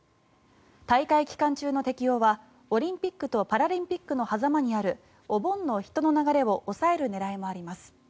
大会期間中の適用はオリンピックとパラリンピックのはざまにあるお盆の人の流れを抑える狙いもあります。